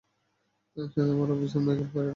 সাথে আমার officer Michael ফ্যারাডকেও।